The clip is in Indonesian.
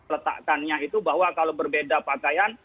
letakkannya itu bahwa kalau berbeda pakaian